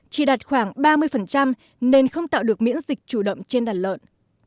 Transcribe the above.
chỉ đạt khoảng ba mươi nên không tạo được miễn dịch chủ động trên đàn lợn